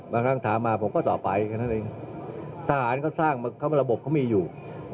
บางครั้งถามมาผมก็ต่อไปสหารเขาสร้างเขามีระบบเขามีอยู่